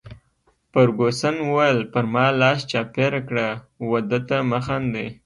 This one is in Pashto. فرګوسن وویل: پر ما لاس چاپیره کړه، وه ده ته مه خاندي.